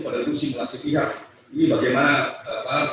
pada lukisimulasi pihak ini bagaimana